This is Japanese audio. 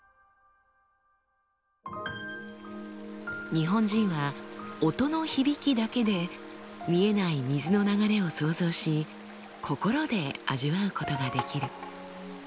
日本人は音の響きだけで見えない水の流れを想像し心で味わうことができる。